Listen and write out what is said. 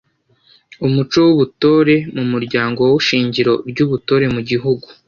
umuco w’ubutore mu muryango wo shingiro ry’ubutore mu gihugu